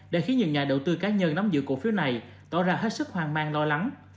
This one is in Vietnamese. đã khiến nhiều nhà đầu tư cá nhân nắm giữ cổ phiếu này tỏ ra hết sức hoang mang lo lắng